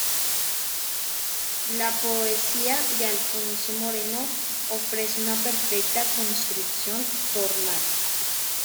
La poesía de Alfonso Moreno ofrece una perfecta construcción formal.